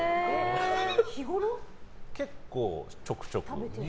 結構、ちょくちょく。